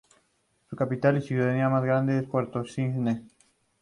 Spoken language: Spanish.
Su capital y ciudad más grande es Puerto Cisnes.